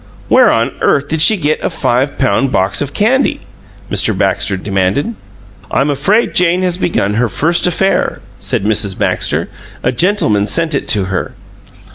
"Where on earth did she get a five pound box of candy?" Mr. Baxter demanded. "I'm afraid Jane has begun her first affair," said Mrs. Baxter. "A gentleman sent it to her."